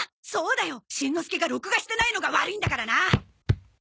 そうだよしんのすけが録画してないのが悪いんだからな。